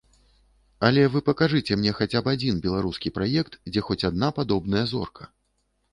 Але вы пакажыце мне хаця б адзін беларускі праект, дзе хоць адна падобная зорка.